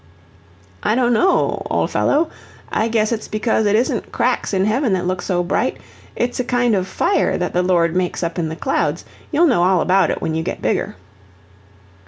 "I don't know old fellow, I guess it's because it isn't cracks in heaven that look so bright, it's a kind of fire that the Lord makes up in the clouds. You'll know all about it when you get bigger."